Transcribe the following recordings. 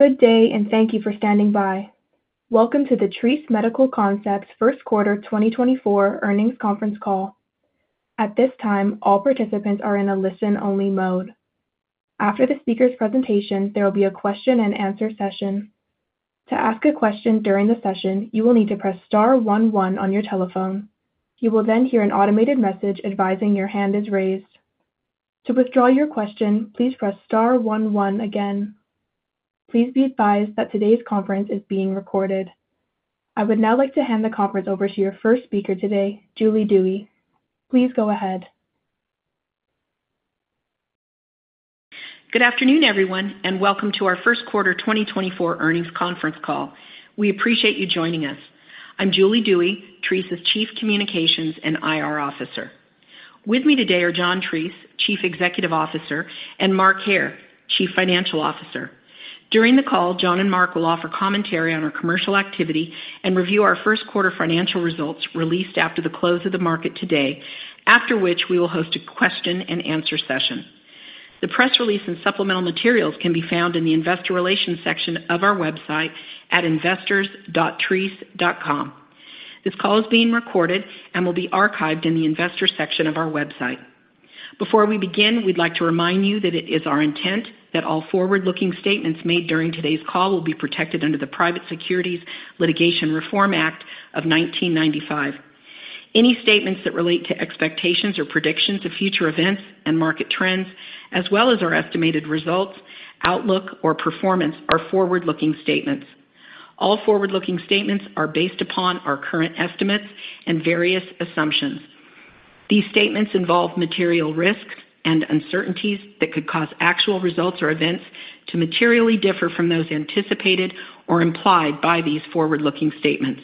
Good day and thank you for standing by. Welcome to the Treace Medical Concepts first quarter 2024 earnings conference call. At this time, all participants are in a listen-only mode. After the speaker's presentation, there will be a question-and-answer session. To ask a question during the session, you will need to press star one, one on your telephone. You will then hear an automated message advising your hand is raised. To withdraw your question, please press star one, one again. Please be advised that today's conference is being recorded. I would now like to hand the conference over to your first speaker today, Julie Dewey. Please go ahead. Good afternoon, everyone, and welcome to our first quarter 2024 earnings conference call. We appreciate you joining us. I'm Julie Dewey, Treace's Chief Communications and IR Officer. With me today are John Treace, Chief Executive Officer, and Mark Hair, Chief Financial Officer. During the call, John and Mark will offer commentary on our commercial activity and review our first quarter financial results, released after the close of the market today, after which we will host a question-and-answer session. The press release and supplemental materials can be found in the Investor Relations section of our website at investors.treace.com. This call is being recorded and will be archived in the Investors section of our website. Before we begin, we'd like to remind you that it is our intent that all forward-looking statements made during today's call will be protected under the Private Securities Litigation Reform Act of 1995. Any statements that relate to expectations or predictions of future events and market trends, as well as our estimated results, outlook, or performance, are forward-looking statements. All forward-looking statements are based upon our current estimates and various assumptions. These statements involve material risks and uncertainties that could cause actual results or events to materially differ from those anticipated or implied by these forward-looking statements.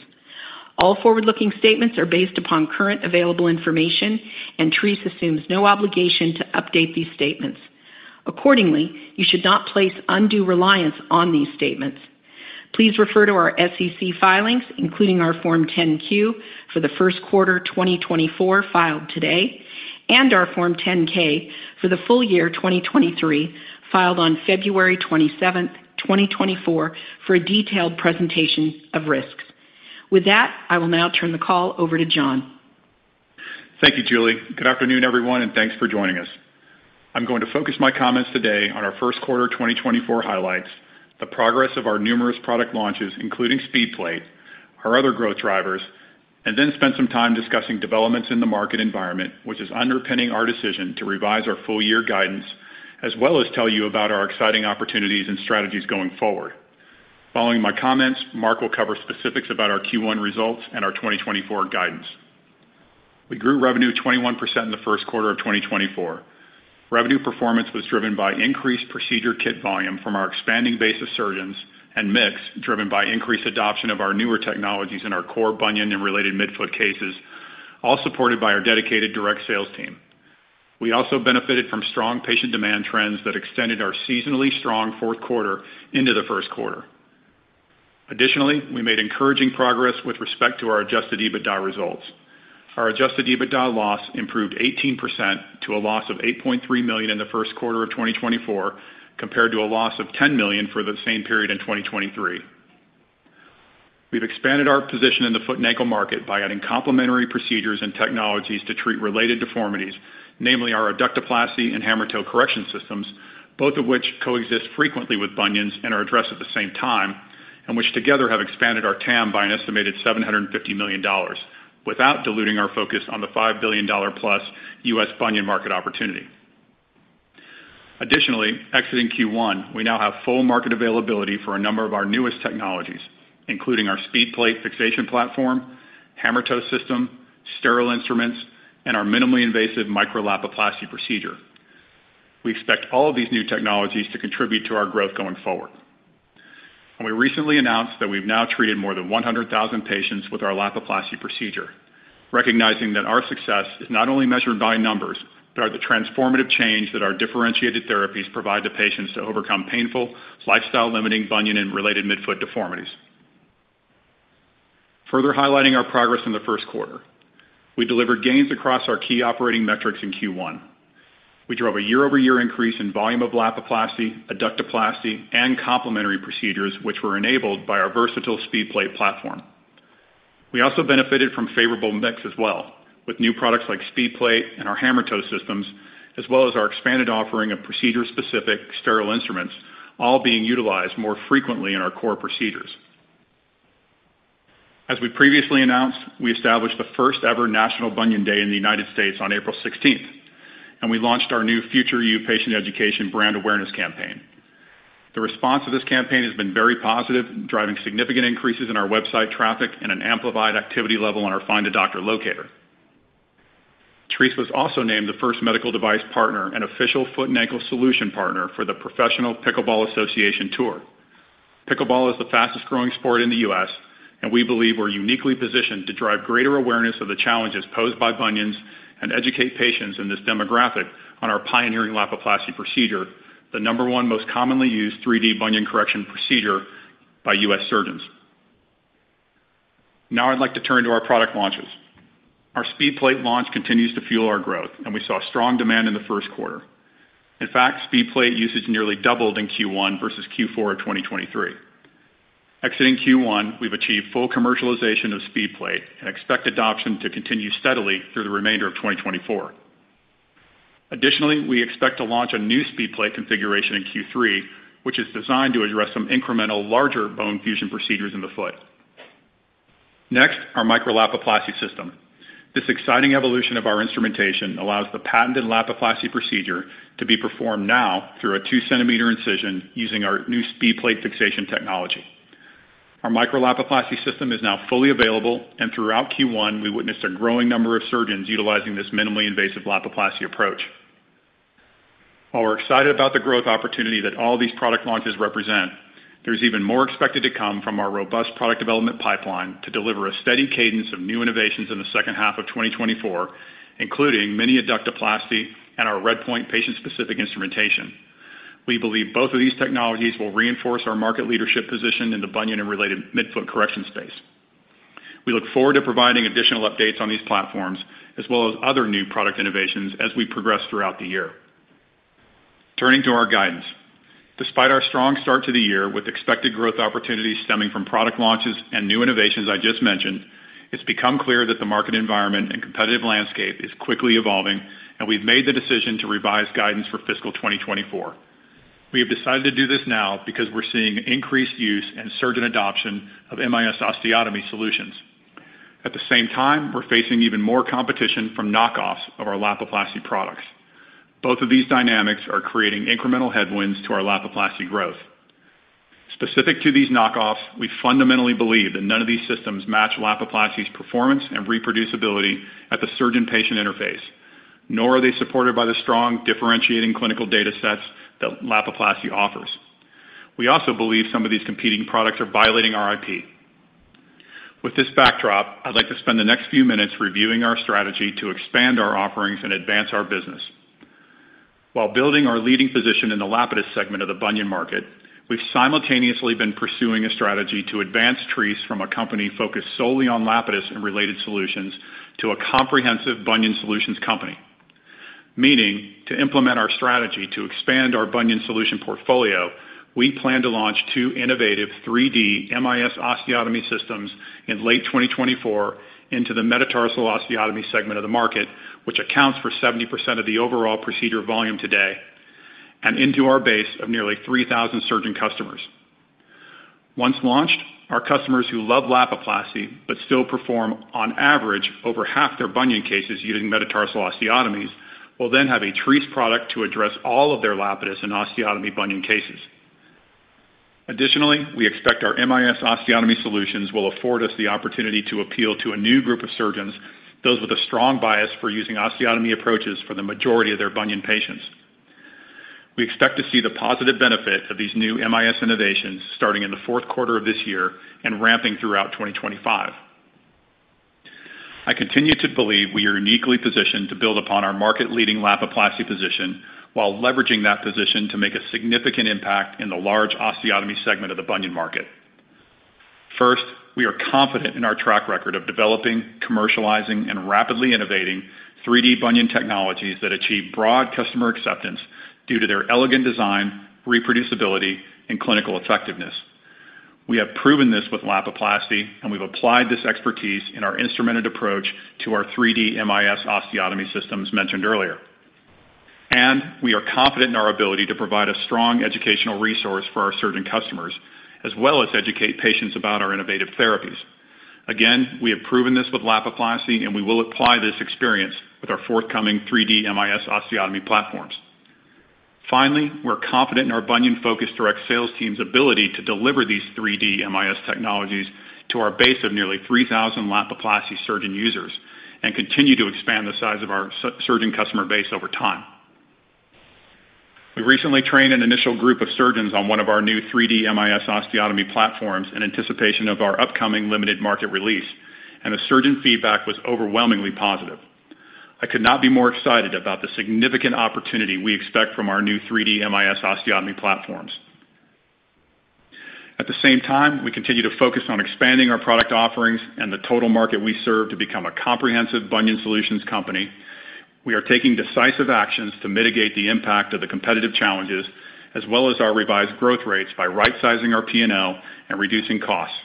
All forward-looking statements are based upon current available information, and Treace assumes no obligation to update these statements. Accordingly, you should not place undue reliance on these statements. Please refer to our SEC filings, including our Form 10-Q for the first quarter 2024, filed today, and our Form 10-K for the full year 2023, filed on February 27th, 2024, for a detailed presentation of risks. With that, I will now turn the call over to John. Thank you, Julie. Good afternoon, everyone, and thanks for joining us. I'm going to focus my comments today on our first quarter 2024 highlights, the progress of our numerous product launches, including SpeedPlate, our other growth drivers, and then spend some time discussing developments in the market environment, which is underpinning our decision to revise our full year guidance, as well as tell you about our exciting opportunities and strategies going forward. Following my comments, Mark will cover specifics about our Q1 results and our 2024 guidance. We grew revenue 21% in the first quarter of 2024. Revenue performance was driven by increased procedure kit volume from our expanding base of surgeons and mix, driven by increased adoption of our newer technologies in our core bunion and related midfoot cases, all supported by our dedicated direct sales team. We also benefited from strong patient demand trends that extended our seasonally strong fourth quarter into the first quarter. Additionally, we made encouraging progress with respect to our adjusted EBITDA results. Our adjusted EBITDA loss improved 18% to a loss of $8.3 million in the first quarter of 2024, compared to a loss of $10 million for the same period in 2023. We've expanded our position in the foot and ankle market by adding complementary procedures and technologies to treat related deformities, namely our Adductoplasty and Hammertoe Correction System, both of which coexist frequently with bunions and are addressed at the same time, and which together have expanded our TAM by an estimated $750 million, without diluting our focus on the $5 billion+ U.S. bunion market opportunity. Additionally, exiting Q1, we now have full market availability for a number of our newest technologies, including our SpeedPlate fixation platform, Hammertoe System, sterile instruments, and our minimally invasive Micro-Lapiplasty procedure. We expect all of these new technologies to contribute to our growth going forward. We recently announced that we've now treated more than 100,000 patients with our Lapiplasty procedure, recognizing that our success is not only measured by numbers, but by the transformative change that our differentiated therapies provide to patients to overcome painful, lifestyle-limiting bunion and related midfoot deformities. Further highlighting our progress in the first quarter, we delivered gains across our key operating metrics in Q1. We drove a year-over-year increase in volume of Lapiplasty, Adductoplasty, and complementary procedures, which were enabled by our versatile SpeedPlate platform. We also benefited from favorable mix as well, with new products like SpeedPlate and our Hammertoe Systems as well as our expanded offering of procedure-specific sterile instruments, all being utilized more frequently in our core procedures. As we previously announced, we established the first-ever National Bunion Day in the United States on April 16th, and we launched our new Future You patient education brand awareness campaign. The response to this campaign has been very positive, driving significant increases in our website traffic and an amplified activity level on our Find a Doctor locator. Treace was also named the first medical device partner and official foot and ankle solution partner for the Professional Pickleball Association Tour. Pickleball is the fastest-growing sport in the U.S., and we believe we're uniquely positioned to drive greater awareness of the challenges posed by bunions and educate patients in this demographic on our pioneering Lapiplasty procedure, the number one most commonly used 3D bunion correction procedure by U.S. surgeons. Now I'd like to turn to our product launches. Our SpeedPlate launch continues to fuel our growth, and we saw strong demand in the first quarter. In fact, SpeedPlate usage nearly doubled in Q1 versus Q4 of 2023. Exiting Q1, we've achieved full commercialization of SpeedPlate and expect adoption to continue steadily through the remainder of 2024. Additionally, we expect to launch a new SpeedPlate configuration in Q3, which is designed to address some incremental larger bone fusion procedures in the foot. Next, our Micro-Lapiplasty system. This exciting evolution of our instrumentation allows the patented Lapiplasty procedure to be performed now through a 2 cm incision using our new SpeedPlate fixation technology. Our Micro-Lapiplasty system is now fully available, and throughout Q1, we witnessed a growing number of surgeons utilizing this minimally invasive Lapiplasty approach. While we're excited about the growth opportunity that all these product launches represent, there's even more expected to come from our robust product development pipeline to deliver a steady cadence of new innovations in the second half of 2024, including Mini-Adductoplasty and our RedPoint patient-specific instrumentation. We believe both of these technologies will reinforce our market leadership position in the bunion and related midfoot correction space. We look forward to providing additional updates on these platforms, as well as other new product innovations as we progress throughout the year. Turning to our guidance. Despite our strong start to the year, with expected growth opportunities stemming from product launches and new innovations I just mentioned, it's become clear that the market environment and competitive landscape is quickly evolving, and we've made the decision to revise guidance for fiscal 2024. We have decided to do this now because we're seeing increased use and surgeon adoption of MIS osteotomy solutions. At the same time, we're facing even more competition from knockoffs of our Lapiplasty products. Both of these dynamics are creating incremental headwinds to our Lapiplasty growth. Specific to these knockoffs, we fundamentally believe that none of these systems match Lapiplasty's performance and reproducibility at the surgeon-patient interface, nor are they supported by the strong, differentiating clinical data sets that Lapiplasty offers. We also believe some of these competing products are violating our IP. With this backdrop, I'd like to spend the next few minutes reviewing our strategy to expand our offerings and advance our business. While building our leading position in the Lapidus segment of the bunion market, we've simultaneously been pursuing a strategy to advance Treace from a company focused solely on Lapidus and related solutions to a comprehensive bunion solutions company. Meaning, to implement our strategy to expand our bunion solution portfolio, we plan to launch two innovative 3D MIS osteotomy systems in late 2024 into the metatarsal osteotomy segment of the market, which accounts for 70% of the overall procedure volume today, and into our base of nearly 3,000 surgeon customers. Once launched, our customers who love Lapiplasty, but still perform on average, over half their bunion cases using metatarsal osteotomies, will then have a Treace product to address all of their Lapidus and osteotomy bunion cases. Additionally, we expect our MIS osteotomy solutions will afford us the opportunity to appeal to a new group of surgeons, those with a strong bias for using osteotomy approaches for the majority of their bunion patients. We expect to see the positive benefit of these new MIS innovations starting in the fourth quarter of this year and ramping throughout 2025. I continue to believe we are uniquely positioned to build upon our market-leading Lapiplasty position, while leveraging that position to make a significant impact in the large osteotomy segment of the bunion market. First, we are confident in our track record of developing, commercializing, and rapidly innovating 3D bunion technologies that achieve broad customer acceptance due to their elegant design, reproducibility, and clinical effectiveness. We have proven this with Lapiplasty, and we've applied this expertise in our instrumented approach to our 3D MIS osteotomy systems mentioned earlier. We are confident in our ability to provide a strong educational resource for our surgeon customers, as well as educate patients about our innovative therapies. Again, we have proven this with Lapiplasty, and we will apply this experience with our forthcoming 3D MIS osteotomy platforms. Finally, we're confident in our bunion-focused direct sales team's ability to deliver these 3D MIS technologies to our base of nearly 3,000 Lapiplasty surgeon users and continue to expand the size of our surgeon customer base over time. We recently trained an initial group of surgeons on one of our new 3D MIS osteotomy platforms in anticipation of our upcoming limited market release, and the surgeon feedback was overwhelmingly positive. I could not be more excited about the significant opportunity we expect from our new 3D MIS osteotomy platforms. At the same time, we continue to focus on expanding our product offerings and the total market we serve to become a comprehensive bunion solutions company. We are taking decisive actions to mitigate the impact of the competitive challenges, as well as our revised growth rates by right sizing our P&L and reducing costs.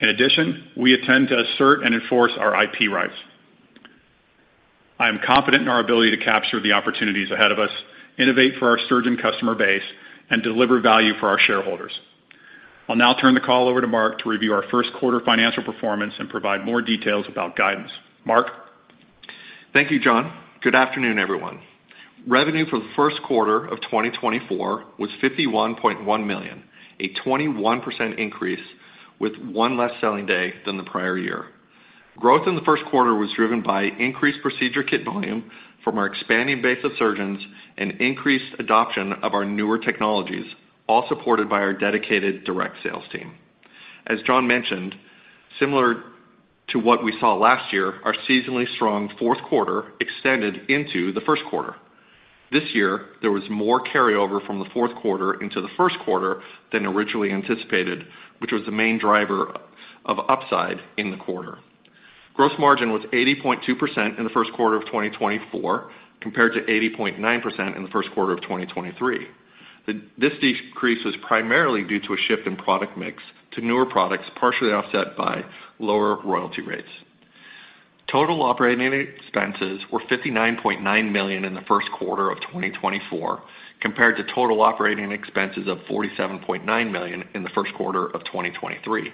In addition, we intend to assert and enforce our IP rights. I am confident in our ability to capture the opportunities ahead of us, innovate for our surgeon customer base, and deliver value for our shareholders. I'll now turn the call over to Mark to review our first quarter financial performance and provide more details about guidance. Mark? Thank you, John. Good afternoon, everyone. Revenue for the first quarter of 2024 was $51.1 million, a 21% increase with one less selling day than the prior year. Growth in the first quarter was driven by increased procedure kit volume from our expanding base of surgeons and increased adoption of our newer technologies, all supported by our dedicated direct sales team. As John mentioned, similar to what we saw last year, our seasonally strong fourth quarter extended into the first quarter. This year, there was more carryover from the fourth quarter into the first quarter than originally anticipated, which was the main driver of upside in the quarter. Gross margin was 80.2% in the first quarter of 2024, compared to 80.9% in the first quarter of 2023. This decrease was primarily due to a shift in product mix to newer products, partially offset by lower royalty rates. Total operating expenses were $59.9 million in the first quarter of 2024, compared to total operating expenses of $47.9 million in the first quarter of 2023.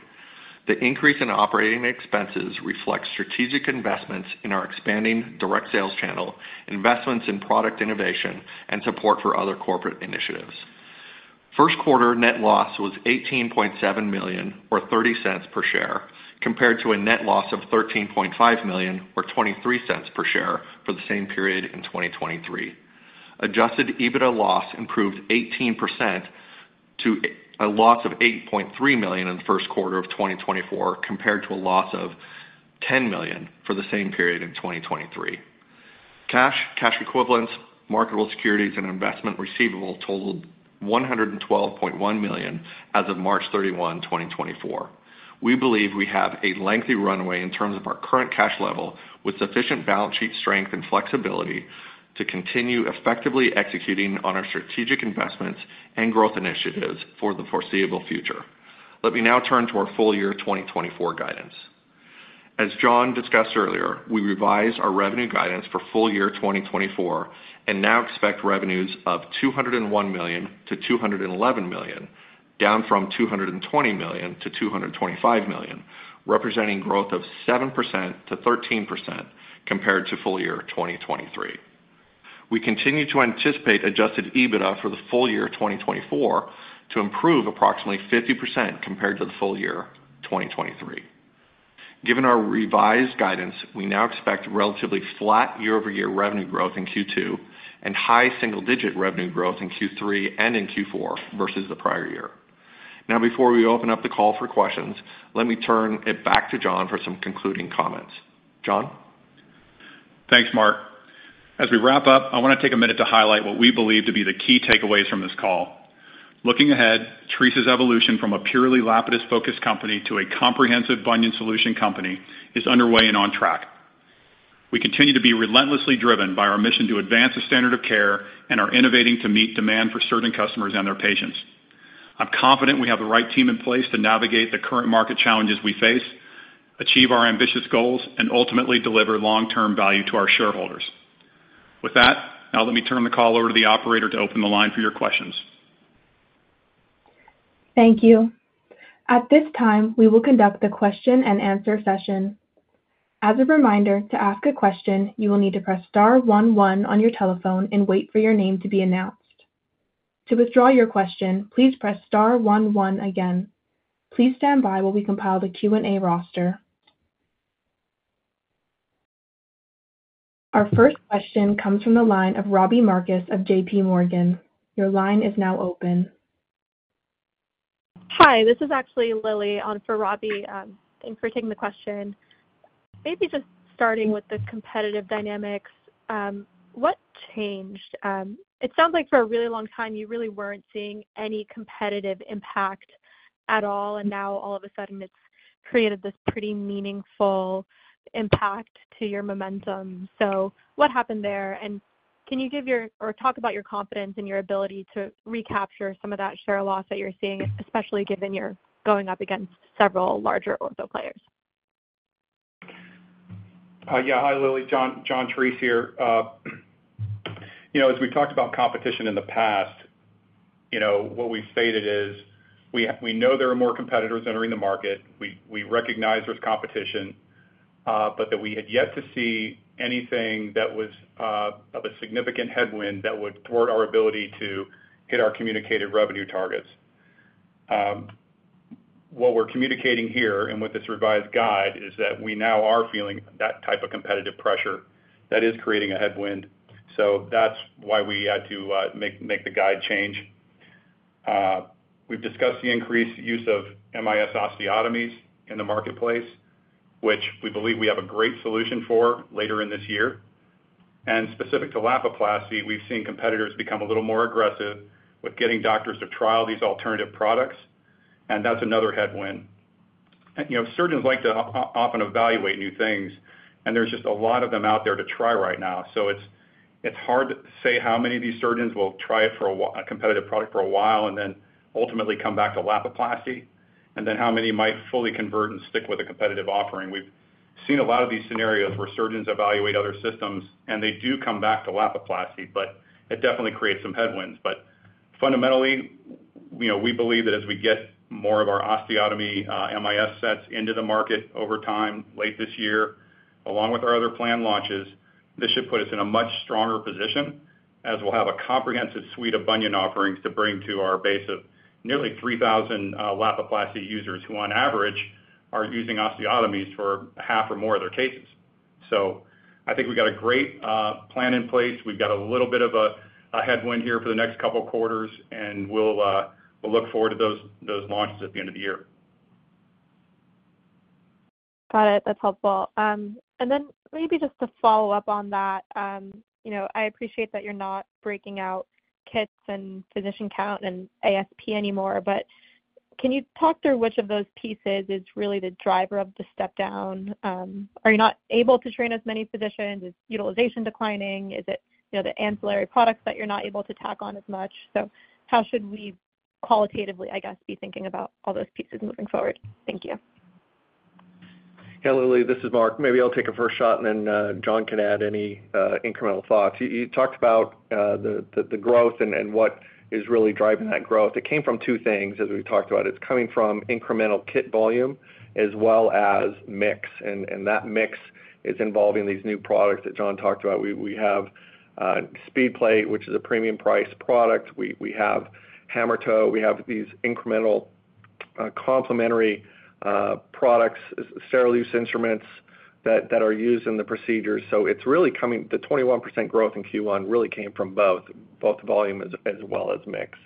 The increase in operating expenses reflects strategic investments in our expanding direct sales channel, investments in product innovation, and support for other corporate initiatives. First quarter net loss was $18.7 million, or $0.30 per share, compared to a net loss of $13.5 million, or $0.23 per share for the same period in 2023. Adjusted EBITDA loss improved 18% to a loss of $8.3 million in the first quarter of 2024, compared to a loss of $10 million for the same period in 2023. Cash, cash equivalents, marketable securities, and investment receivable totaled $112.1 million as of March 31, 2024. We believe we have a lengthy runway in terms of our current cash level, with sufficient balance sheet strength and flexibility to continue effectively executing on our strategic investments and growth initiatives for the foreseeable future. Let me now turn to our full year 2024 guidance. As John discussed earlier, we revised our revenue guidance for full year 2024, and now expect revenues of $201 million-$211 million, down from $220 million-$225 million, representing growth of 7%-13% compared to full year 2023. We continue to anticipate adjusted EBITDA for the full year 2024 to improve approximately 50% compared to the full year 2023. Given our revised guidance, we now expect relatively flat year-over-year revenue growth in Q2, and high single-digit revenue growth in Q3 and in Q4 versus the prior year. Now before we open up the call for questions, let me turn it back to John for some concluding comments. John? Thanks, Mark. As we wrap up, I want to take a minute to highlight what we believe to be the key takeaways from this call. Looking ahead, Treace's evolution from a purely Lapidus-focused company to a comprehensive bunion solution company is underway and on track. We continue to be relentlessly driven by our mission to advance the standard of care and are innovating to meet demand for certain customers and their patients. I'm confident we have the right team in place to navigate the current market challenges we face, achieve our ambitious goals, and ultimately deliver long-term value to our shareholders. With that, now let me turn the call over to the operator to open the line for your questions. Thank you. At this time, we will conduct the question and answer session. As a reminder, to ask a question, you will need to press star one one on your telephone and wait for your name to be announced. To withdraw your question, please press star one one again. Please stand by while we compile the Q&A roster. Our first question comes from the line of Robbie Marcus of JPMorgan. Your line is now open. Hi, this is actually Lili on for Robbie. Thanks for taking the question. Maybe just starting with the competitive dynamics, what changed? It sounds like for a really long time, you really weren't seeing any competitive impact at all, and now all of a sudden it's created this pretty meaningful impact to your momentum. So what happened there? And can you give your-- or talk about your confidence in your ability to recapture some of that share loss that you're seeing, especially given you're going up against several larger ortho players? Yeah. Hi, Lili. John Treace here. You know, as we talked about competition in the past, you know, what we've stated is we know there are more competitors entering the market, we recognize there's competition, but that we had yet to see anything that was of a significant headwind that would thwart our ability to hit our communicated revenue targets. What we're communicating here, and with this revised guide, is that we now are feeling that type of competitive pressure that is creating a headwind. So that's why we had to make the guide change. We've discussed the increased use of MIS osteotomies in the marketplace, which we believe we have a great solution for later in this year. Specific to Lapiplasty, we've seen competitors become a little more aggressive with getting doctors to trial these alternative products, and that's another headwind. You know, surgeons like to often evaluate new things, and there's just a lot of them out there to try right now. So it's hard to say how many of these surgeons will try a competitive product for a while, and then ultimately come back to Lapiplasty, and then how many might fully convert and stick with a competitive offering. We've seen a lot of these scenarios where surgeons evaluate other systems, and they do come back to Lapiplasty, but it definitely creates some headwinds. But fundamentally, you know, we believe that as we get more of our osteotomy, MIS sets into the market over time, late this year, along with our other planned launches, this should put us in a much stronger position, as we'll have a comprehensive suite of bunion offerings to bring to our base of nearly 3,000 Lapiplasty users, who on average, are using osteotomies for half or more of their cases. So I think we've got a great, plan in place. We've got a little bit of a, a headwind here for the next couple of quarters, and we'll, we'll look forward to those, those launches at the end of the year. Got it. That's helpful. And then maybe just to follow up on that, you know, I appreciate that you're not breaking out kits and physician count and ASP anymore, but can you talk through which of those pieces is really the driver of the step down? Are you not able to train as many physicians? Is utilization declining? Is it, you know, the ancillary products that you're not able to tack on as much? So how should we qualitatively, I guess, be thinking about all those pieces moving forward? Thank you. Hey, Lili, this is Mark. Maybe I'll take a first shot and then John can add any incremental thoughts. You talked about the growth and what is really driving that growth. It came from two things, as we talked about. It's coming from incremental kit volume as well as mix, and that mix is involving these new products that John talked about. We have SpeedPlate, which is a premium price product. We have Hammertoe, we have these incremental complementary products, sterile instruments that are used in the procedure. So it's really coming—the 21% growth in Q1 really came from both volume as well as mix.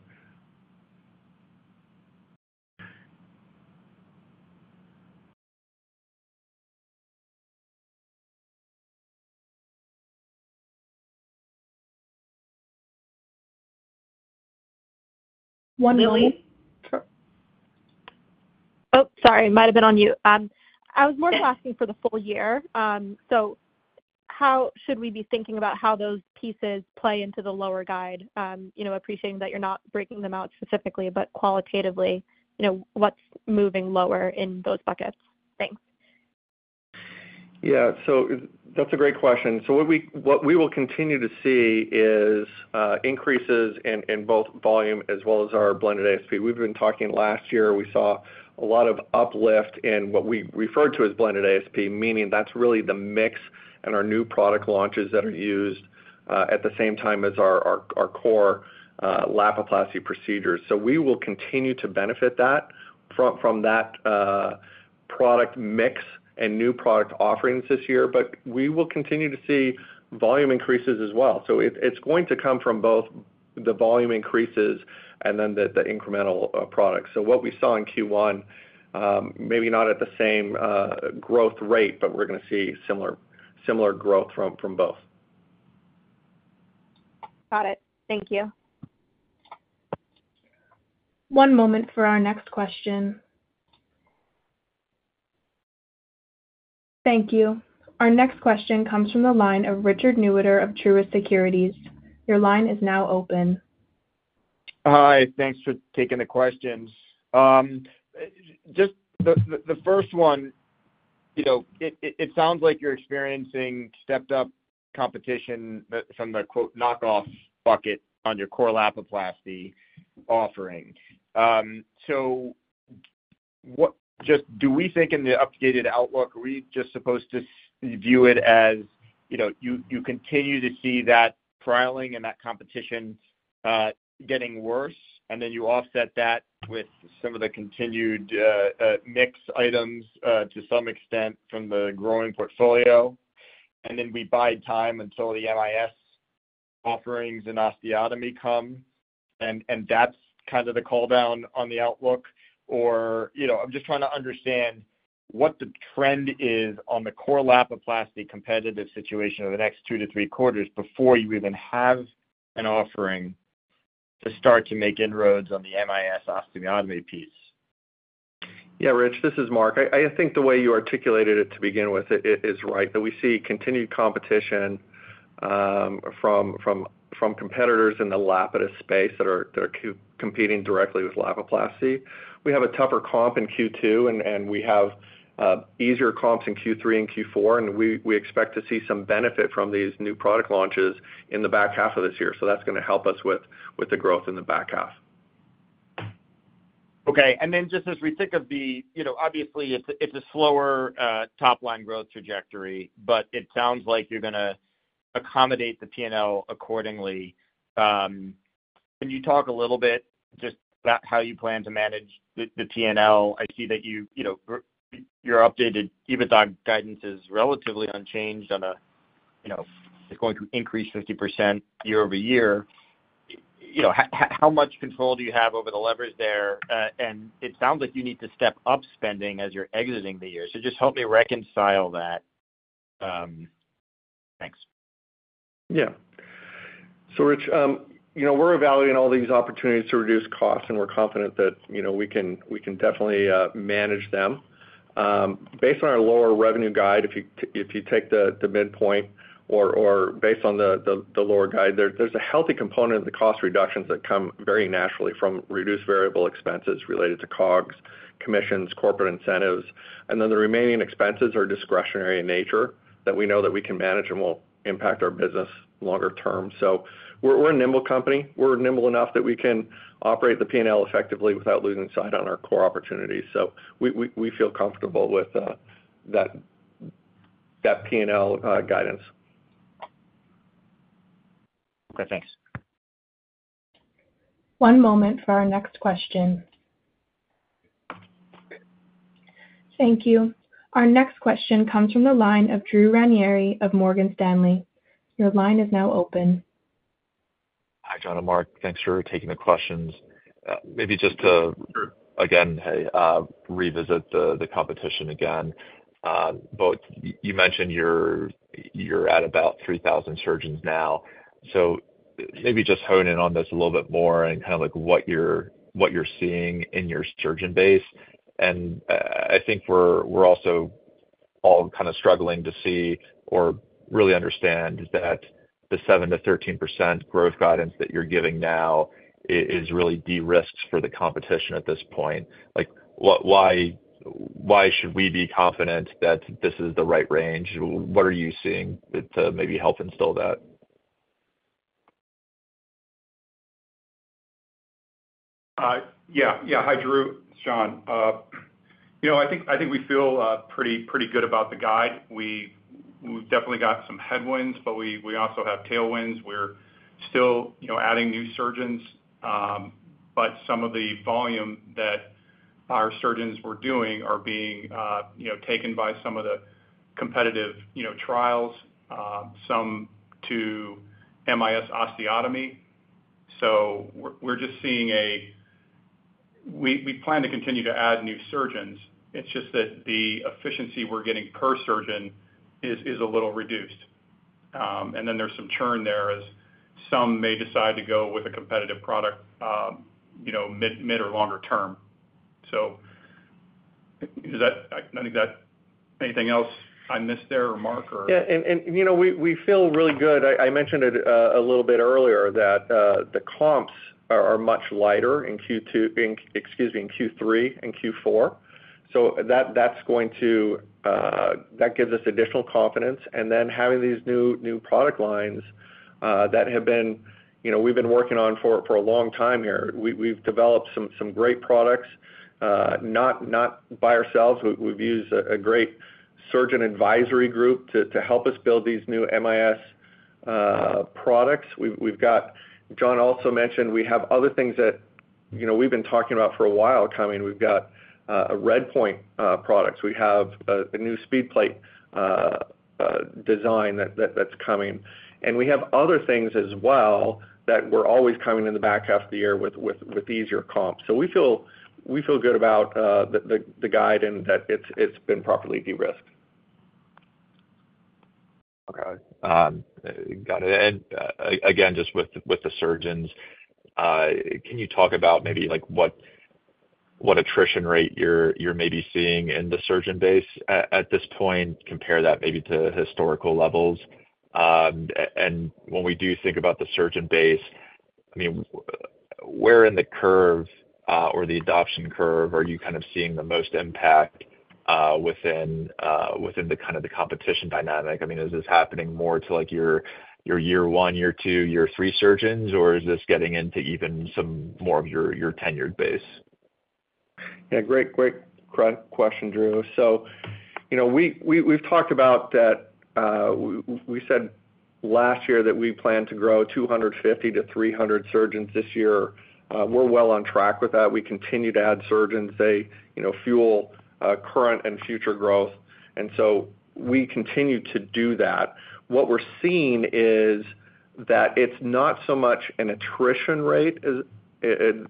Lili? Oh, sorry, it might have been on mute. I was more asking for the full year. So how should we be thinking about how those pieces play into the lower guide? You know, appreciating that you're not breaking them out specifically, but qualitatively, you know, what's moving lower in those buckets? Thanks. Yeah, so that's a great question. So what we will continue to see is increases in both volume as well as our blended ASP. We've been talking last year, we saw a lot of uplift in what we referred to as blended ASP, meaning that's really the mix and our new product launches that are used at the same time as our core Lapiplasty procedures. So we will continue to benefit that from that product mix and new product offerings this year, but we will continue to see volume increases as well. So it's going to come from both the volume increases and then the incremental products. So what we saw in Q1, maybe not at the same growth rate, but we're going to see similar growth from both. Got it. Thank you. One moment for our next question. Thank you. Our next question comes from the line of Richard Newitter of Truist Securities. Your line is now open. Hi, thanks for taking the questions. Just the first one, you know, it sounds like you're experiencing stepped up competition from the quote, knockoff bucket on your core Lapiplasty offering. So what—just do we think in the updated outlook, are we just supposed to view it as, you know, you continue to see that trialing and that competition getting worse, and then you offset that with some of the continued mix items to some extent from the growing portfolio? And then we bide time until the MIS offerings and osteotomy come, and that's kind of the call down on the outlook. Or, you know, I'm just trying to understand what the trend is on the core Lapiplasty competitive situation over the next two to three quarters before you even have an offering to start to make inroads on the MIS osteotomy piece. Yeah, Rich, this is Mark. I think the way you articulated it to begin with, it is right, that we see continued competition from competitors in the Lapidus space that are competing directly with Lapiplasty. We have a tougher comp in Q2, and we have easier comps in Q3 and Q4, and we expect to see some benefit from these new product launches in the back half of this year. So that's going to help us with the growth in the back half. Okay. And then just as we think of the, you know, obviously, it's a, it's a slower, top line growth trajectory, but it sounds like you're going to accommodate the P&L accordingly. Can you talk a little bit just about how you plan to manage the, the P&L? I see that you, you know, your updated EBITDA guidance is relatively unchanged on a, you know, it's going to increase 50% year-over-year. You know, how much control do you have over the leverage there? And it sounds like you need to step up spending as you're exiting the year. So just help me reconcile that. Thanks. Yeah. So Rich, you know, we're evaluating all these opportunities to reduce costs, and we're confident that, you know, we can, we can definitely manage them. Based on our lower revenue guide, if you take the midpoint or based on the lower guide, there's a healthy component of the cost reductions that come very naturally from reduced variable expenses related to COGS, commissions, corporate incentives. And then the remaining expenses are discretionary in nature that we know that we can manage and will impact our business longer term. So we're a nimble company. We're nimble enough that we can operate the P&L effectively without losing sight on our core opportunities. So we feel comfortable with that P&L guidance. Okay, thanks. One moment for our next question. Thank you. Our next question comes from the line of Drew Ranieri of Morgan Stanley. Your line is now open. Hi, John and Mark, thanks for taking the questions. Maybe just to- Sure. Again, revisit the competition again. Both, you mentioned you're at about 3,000 surgeons now, so maybe just hone in on this a little bit more and kind of like what you're seeing in your surgeon base. And I think we're also all kind of struggling to see or really understand that the 7%-13% growth guidance that you're giving now is really de-risked for the competition at this point. Like, what, why should we be confident that this is the right range? What are you seeing to maybe help instill that? Yeah, yeah. Hi, Drew, it's John. You know, I think, I think we feel pretty, pretty good about the guide. We've definitely got some headwinds, but we also have tailwinds. We're still, you know, adding new surgeons, but some of the volume that our surgeons were doing are being, you know, taken by some of the competitive, you know, trials, some to MIS osteotomy. So we're just seeing. We plan to continue to add new surgeons, it's just that the efficiency we're getting per surgeon is a little reduced. And then there's some churn there as some may decide to go with a competitive product, you know, mid or longer term. So is that, I think, that anything else I missed there, or Mark? Yeah, and, and, you know, we, we feel really good. I, I mentioned it, a little bit earlier, that, the comps are, are much lighter in Q2, in, excuse me, in Q3 and Q4. So that, that's going to, that gives us additional confidence. And then having these new, new product lines, that have been, you know, we've been working on for, for a long time here. We, we've developed some, some great products, not, not by ourselves. We've, we've used a, a great surgeon advisory group to, to help us build these new MIS, products. We've, we've got, John also mentioned we have other things that, you know, we've been talking about for a while coming. We've got, a RedPoint products. We have, a new SpeedPlate design that, that's coming. We have other things as well that we're always coming in the back half of the year with easier comps. So we feel good about the guide and that it's been properly de-risked. Okay. Got it. And again, just with the surgeons, can you talk about maybe like what attrition rate you're maybe seeing in the surgeon base at this point? Compare that maybe to historical levels. And when we do think about the surgeon base, I mean, where in the curve or the adoption curve are you kind of seeing the most impact within the kind of the competition dynamic? I mean, is this happening more to like your year one, year two, year three surgeons, or is this getting into even some more of your tenured base? Yeah, great, great question, Drew. So, you know, we've talked about that. We said last year that we plan to grow 250-300 surgeons this year. We're well on track with that. We continue to add surgeons. They, you know, fuel current and future growth, and so we continue to do that. What we're seeing is that it's not so much an attrition rate as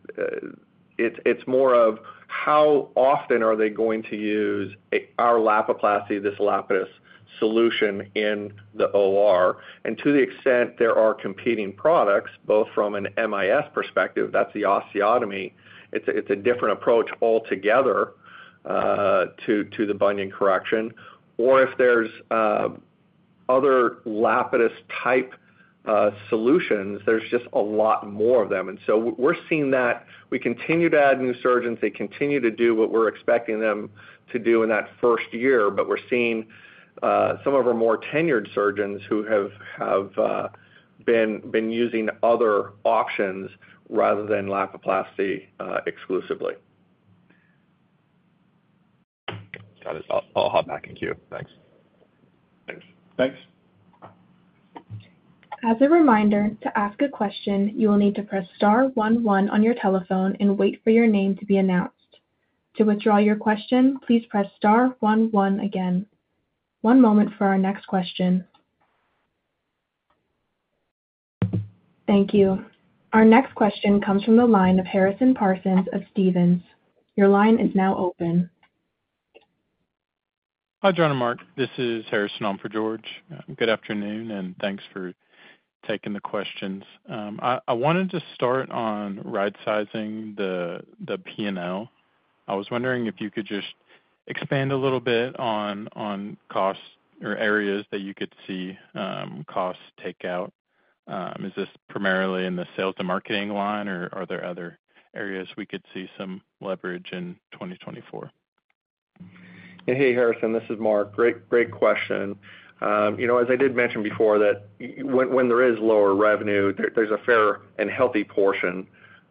it's more of how often are they going to use our Lapiplasty, this Lapidus solution in the OR. And to the extent there are competing products, both from an MIS perspective, that's the osteotomy. It's a different approach altogether to the bunion correction, or if there's other Lapidus type solutions, there's just a lot more of them. And so we're seeing that. We continue to add new surgeons. They continue to do what we're expecting them to do in that first year, but we're seeing some of our more tenured surgeons who have been using other options rather than Lapiplasty exclusively. Got it. I'll hop back in queue. Thanks. Thanks. Thanks. As a reminder, to ask a question, you will need to press star one one on your telephone and wait for your name to be announced. To withdraw your question, please press star one one again. One moment for our next question. Thank you. Our next question comes from the line of Harrison Parsons of Stephens. Your line is now open. Hi, John and Mark, this is Harrison on for George. Good afternoon, and thanks for taking the questions. I wanted to start on right sizing the P&L. I was wondering if you could just expand a little bit on costs or areas that you could see costs take out. Is this primarily in the sales and marketing line, or are there other areas we could see some leverage in 2024? Hey, Harrison, this is Mark. Great, great question. You know, as I did mention before, that when there is lower revenue, there's a fair and healthy portion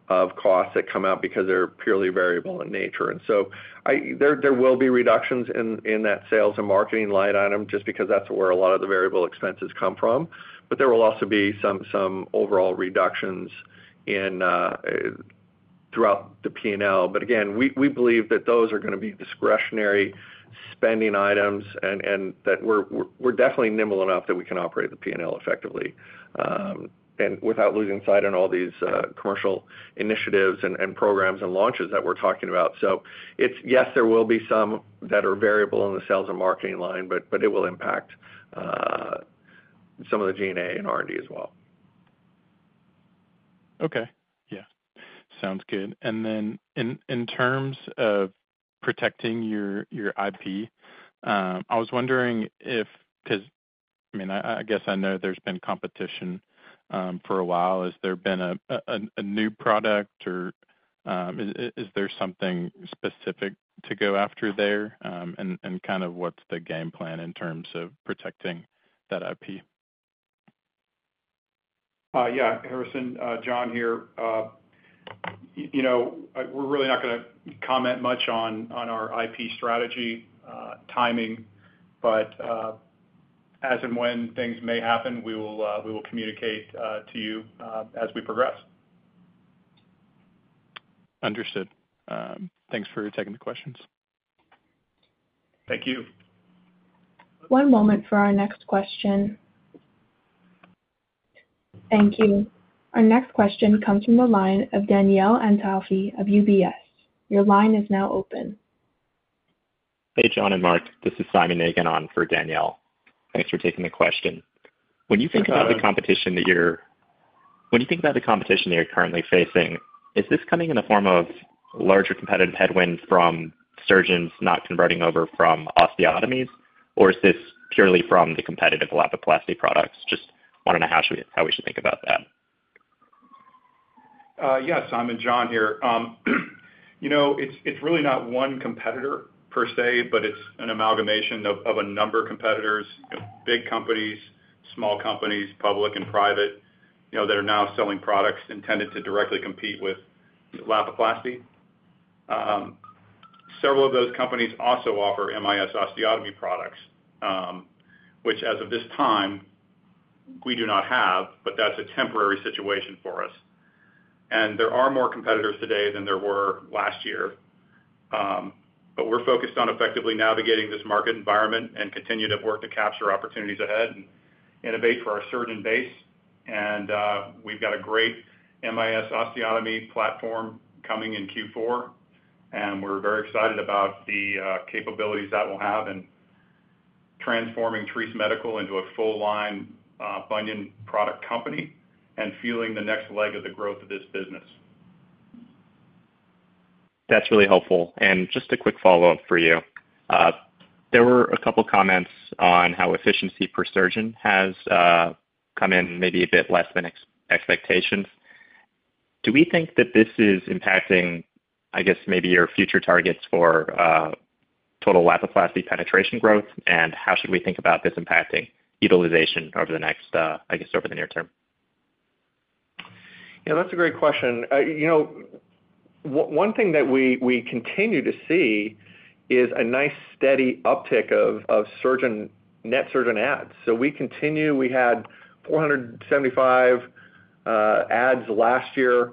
of costs that come out because they're purely variable in nature. And so there will be reductions in that sales and marketing line item just because that's where a lot of the variable expenses come from. But there will also be some overall reductions in throughout the P&L. But again, we believe that those are going to be discretionary spending items, and that we're definitely nimble enough that we can operate the P&L effectively, and without losing sight on all these commercial initiatives and programs and launches that we're talking about. Yes, there will be some that are variable in the sales and marketing line, but it will impact some of the G&A and R&D as well. Okay. Yeah, sounds good. And then in terms of protecting your IP, I was wondering if—because, I mean, I guess I know there's been competition for a while. Has there been a new product or, is there something specific to go after there? And kind of what's the game plan in terms of protecting that IP? Yeah, Harrison, John here. You know, we're really not going to comment much on our IP strategy, timing, but as and when things may happen, we will communicate to you as we progress. Understood. Thanks for taking the questions. Thank you. One moment for our next question. Thank you. Our next question comes from the line of Danielle Antalffy of UBS. Your line is now open. Hey, John and Mark, this is Simon [Eghan] on for Danielle. Thanks for taking the question. Hi, Simon. When you think about the competition that you're currently facing, is this coming in the form of larger competitive headwinds from surgeons not converting over from osteotomies, or is this purely from the competitive Lapiplasty products? Just wondering how should we, how we should think about that. Yeah, Simon, John here. You know, it's really not one competitor per se, but it's an amalgamation of a number of competitors, big companies, small companies, public and private, you know, that are now selling products intended to directly compete with Lapiplasty. Several of those companies also offer MIS osteotomy products, which as of this time, we do not have, but that's a temporary situation for us. And there are more competitors today than there were last year. But we're focused on effectively navigating this market environment and continue to work to capture opportunities ahead and innovate for our surgeon base. We've got a great MIS osteotomy platform coming in Q4, and we're very excited about the capabilities that we'll have in transforming Treace Medical into a full line bunion product company and fueling the next leg of the growth of this business. That's really helpful. And just a quick follow-up for you. There were a couple comments on how efficiency per surgeon has come in maybe a bit less than expectations. Do we think that this is impacting, I guess, maybe your future targets for total Lapiplasty penetration growth? And how should we think about this impacting utilization over the next, I guess, over the near term? Yeah, that's a great question. You know, one thing that we continue to see is a nice steady uptick of surgeon net surgeon adds. So we continue. We had 475 adds last year.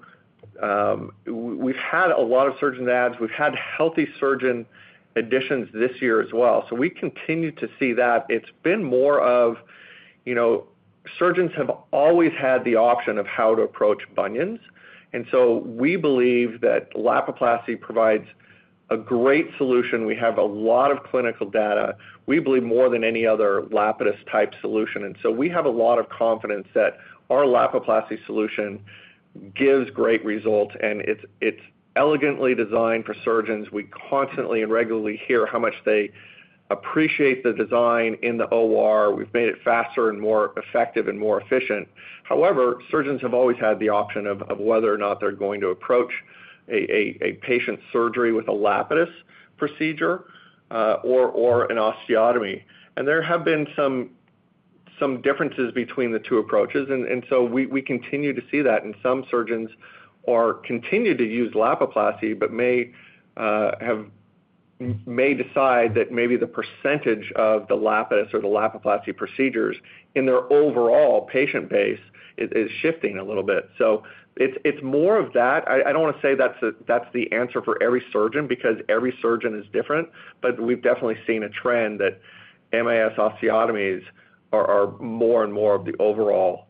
We've had a lot of surgeon adds. We've had healthy surgeon additions this year as well. So we continue to see that. It's been more of, you know, surgeons have always had the option of how to approach bunions, and so we believe that Lapiplasty provides a great solution. We have a lot of clinical data, we believe, more than any other Lapidus-type solution. And so we have a lot of confidence that our Lapiplasty solution gives great results, and it's elegantly designed for surgeons. We constantly and regularly hear how much they appreciate the design in the OR. We've made it faster and more effective and more efficient. However, surgeons have always had the option of whether or not they're going to approach a patient's surgery with a Lapidus procedure, or an osteotomy. And there have been some differences between the two approaches, and so we continue to see that. And some surgeons are continuing to use Lapiplasty, but may decide that maybe the percentage of the Lapidus or the Lapiplasty procedures in their overall patient base is shifting a little bit. So it's more of that. I don't want to say that's the answer for every surgeon, because every surgeon is different. But we've definitely seen a trend that MIS osteotomies are more and more of the overall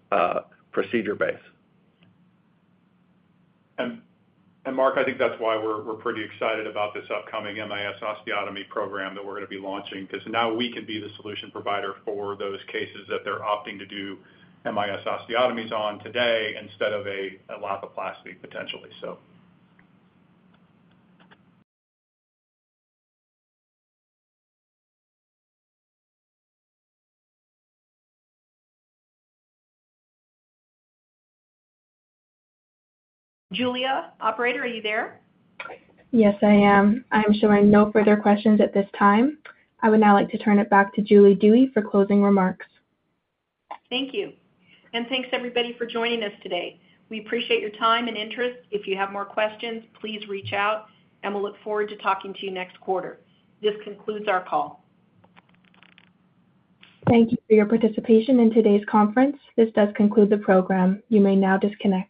procedure base. Mark, I think that's why we're pretty excited about this upcoming MIS osteotomy program that we're going to be launching, because now we can be the solution provider for those cases that they're opting to do MIS osteotomies on today instead of a Lapiplasty, potentially, so. Operator, are you there? Yes, I am. I'm showing no further questions at this time. I would now like to turn it back to Julie Dewey for closing remarks. Thank you. Thanks, everybody, for joining us today. We appreciate your time and interest. If you have more questions, please reach out, and we'll look forward to talking to you next quarter. This concludes our call. Thank you for your participation in today's conference. This does conclude the program. You may now disconnect.